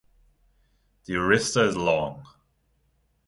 The arista is long.